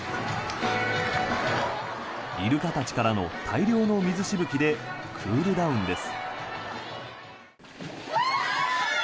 イルカたちからの大量の水しぶきでクールダウンです。